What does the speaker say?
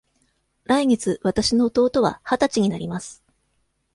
来月わたしの弟は二十歳になります。